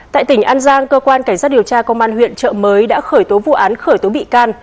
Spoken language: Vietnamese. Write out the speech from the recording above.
tại tỉnh an giang cơ quan cảnh sát điều tra công an huyện trợ mới đã khởi tố vụ án khởi tố bị can